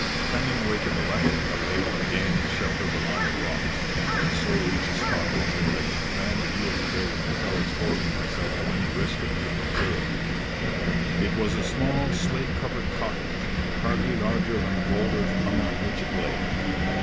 Trending away to the left, I was able to gain the shelter of a line of rocks, and so reach a spot from which I could command a view of the building without exposing myself to any risk of being observed. It was a small, slate covered cottage, hardly larger than the boulders among which it lay.